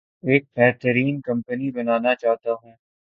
ایک بہترین کمپنی بنانا چاہتا ہوں